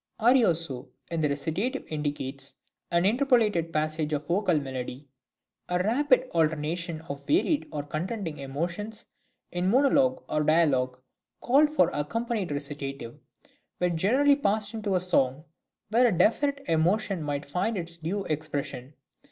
Arioso in the recitative indicates an interpolated passage of vocal melody. A rapid alternation of varied or contending emotions in monologue or dialogue called for accompanied recitative, which generally passed into a song, where a definite emotion might find its due expression.